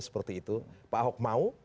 seperti itu pak ahok mau